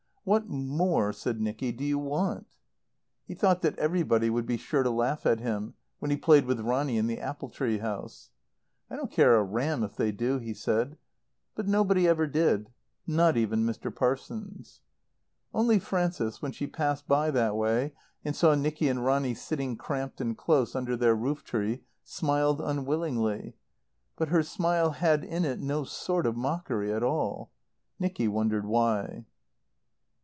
"What more," said Nicky, "do you want?" He thought that everybody would be sure to laugh at him when he played with Bonny in the apple tree house. "I don't care a ram if they do," he said. But nobody ever did, not even Mr. Parsons. Only Frances, when she passed by that way and saw Nicky and Bonny sitting cramped and close under their roof tree, smiled unwillingly. But her smile had in it no sort of mockery at all. Nicky wondered why.